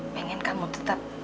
pengen kamu tetap